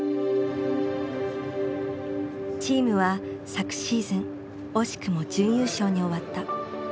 チームは昨シーズン惜しくも準優勝に終わった。